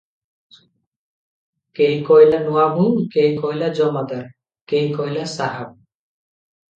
କେହି କହିଲା; ନୂଆବୋହୂ କେହି କହିଲା ଜମାଦାର, କେହି କହିଲା ସାହାବ ।